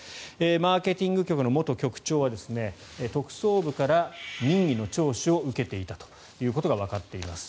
マーケティング局の元局長は特捜部から任意の聴取を受けていたということがわかっています。